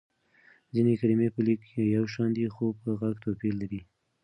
ځينې کلمې په ليک يو شان دي خو په غږ توپير لري.